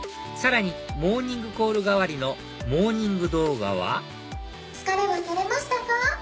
さらにモーニングコール代わりのモーニング動画は疲れは取れましたか？